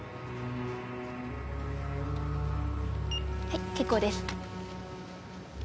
はい結構です。